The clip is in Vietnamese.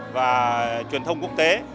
và truyền thông quốc tế